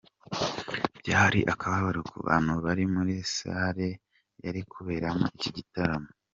Byari akababaro ku bantu bari muri salle yari kuberamo iki gitaramo.